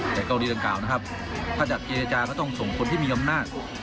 แต่กรณีดังกล่าวนะครับถ้าจะเจรจาก็ต้องส่งคนที่มีอำนาจ